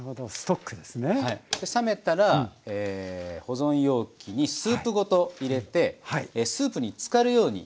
冷めたら保存容器にスープごと入れてスープにつかるように。